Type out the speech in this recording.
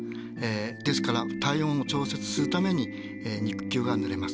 ですから体温を調節するために肉球がぬれます。